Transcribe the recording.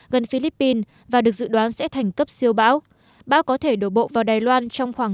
gần philippines và được dự đoán sẽ thành cấp siêu bão bão có thể đổ bộ vào đài loan trong khoảng